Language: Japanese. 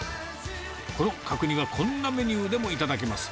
この角煮はこんなメニューでも頂けます。